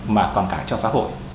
mà còn cả cho xã hội